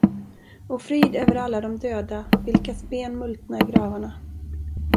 Och frid över alla de döda, vilkas ben multna i gravarna!